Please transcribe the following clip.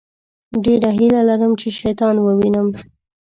ډېره هیله لرم چې شیطان ووينم.